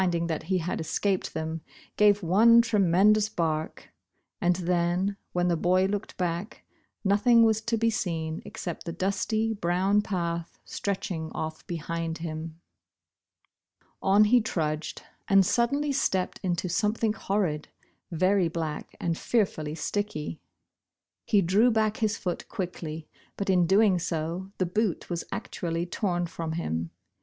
23 ing that he had escaped them, gave one tremen dous bark, and then — when the boy looked back, nothing was to be seen except the dusty, brown path stretching off behind him. On he trudged and suddenly stepped into something horrid, ver}* black and fearfully sticky. He drew back his foot quickly, but in doing so, the boot was actually torn from him.